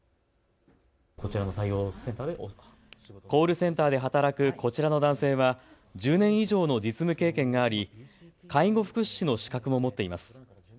コールセンターで働くこちらの男性は１０年以上の実務経験があり介護福祉士の資格も持っています。